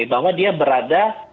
bahwa dia berada